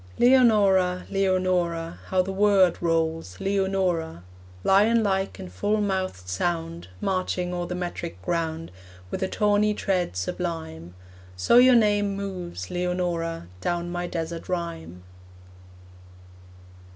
Leonora, Leonora, How the word rolls Leonora. Lion like in full mouthed sound, Marching o'er the metric ground, With a tawny tread sublime. So your name moves, Leonora, Down my desert rhyme.